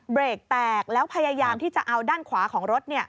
เบรกแตกแล้วพยายามที่จะเอาด้านขวาของรถ